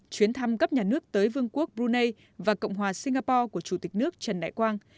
chuyến thăm cấp nhà nước tới vương quốc brunei và cộng hòa singapore của chủ tịch nước trần đại quang